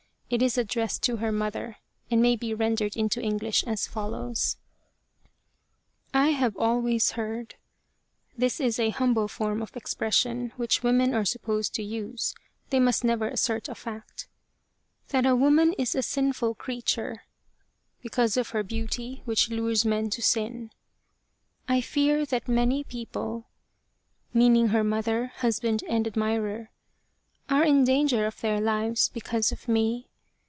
It is addressed to her mother, and may be rendered into English as follows :" I have always heard [this is a humble form of expression which women are supposed to use they must never assert a fact] that woman is a sinful 78 The Tragedy of Kesa Gozen creature [because of her beauty, which lures men to sin]. I fear that many people [meaning her mother, husband, and admirer] are in danger of their lives because of me.